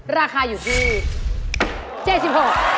ราคาอยู่ที่